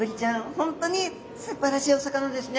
本当にすばらしいお魚ですね。